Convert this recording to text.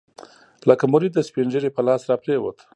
لکه مريد د سپينږيري په لاس راپرېوت.